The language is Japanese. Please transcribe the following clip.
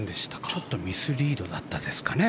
ちょっとミスリードだったでしたかね。